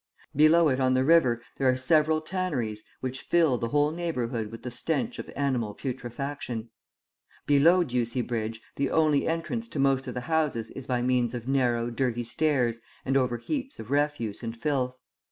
Below it on the river there are several tanneries which fill the whole neighbourhood with the stench of animal putrefaction. Below Ducie Bridge the only entrance to most of the houses is by means of narrow, dirty stairs and over heaps of refuse and filth.